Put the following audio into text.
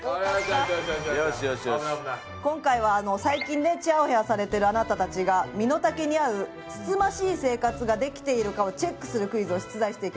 今回は最近ねチヤホヤされてるあなたたちが身の丈に合うつつましい生活ができているかをチェックするクイズを出題していきます。